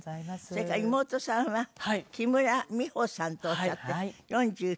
それから妹さんは木村美穂さんとおっしゃって４９歳。